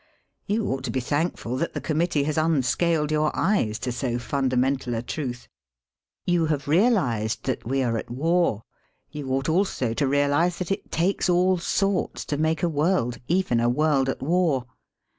You ought to be thank ful that the Committn! has unsealed your eyes to so fundamental a truth. You have realised that wc are at war, — yoa ought also to realise that it takes all sorts to make a world, even a world at war.